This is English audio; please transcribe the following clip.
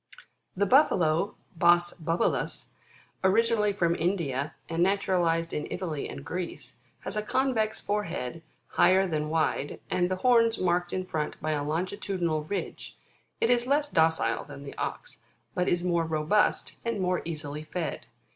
13. The Buffalo, Bos Bnbalits (Plate 6, fig. 1.) originally from India and naturalised in Italy and Greece, has a convex fore head, higher than wide, and the horns marked in front by a longi tudinal ridge. It is less docile than the Ox, but is more robust, and more easily fed.